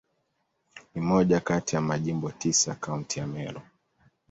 Ni moja kati ya Majimbo tisa ya Kaunti ya Meru.